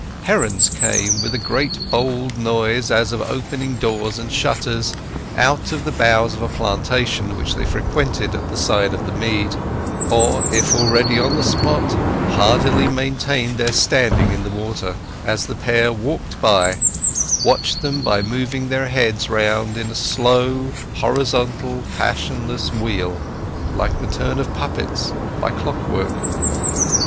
Herons came, with a great bold noise as of opening doors and shutters, out of the boughs of a plantation which they frequented at the side of the mead; or, if already on the spot, hardily maintained their standing in the water as the pair walked by, watching them by moving their heads round in a slow, horizontal, passionless wheel, like the turn of puppets by clockwork.